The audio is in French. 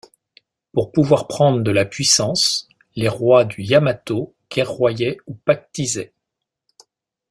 Pour pouvoir prendre de la puissance, les rois du Yamato guerroyaient ou pactisaient.